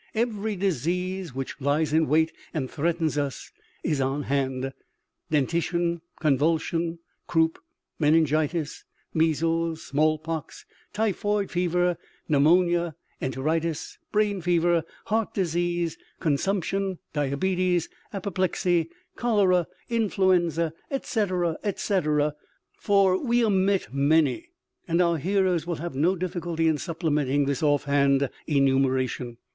Every disease which lies in wait and threatens us, is on hand : dentition, convulsion, croup, meningitis, measles, smallpox, typhoid fever, pneumonia, enteritis, brain fever, heart disease, con sumption, diabetes, apoplexy, cholera, influenza, etc., etc., for we omit many, and our hearers will have no difficulty in supplementing this ofthand enumeration.